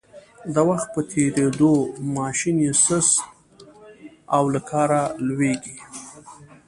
د وخت په تېرېدو ماشین یې سست او له کاره لویږي.